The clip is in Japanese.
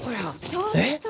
ちょっと。